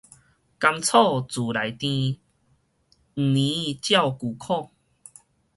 甘草自來甜，黃連照舊苦